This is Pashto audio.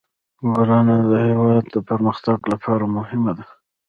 کرنه د هیواد د پرمختګ لپاره مهمه ده.